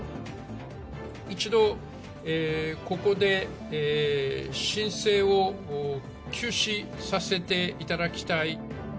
一度、ここで申請を休止させていただきたい。